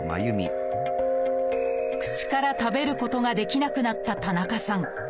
口から食べることができなくなった田中さん。